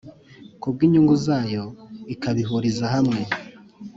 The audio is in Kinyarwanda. ku bw inyungu zayo ikabihuriza hamwe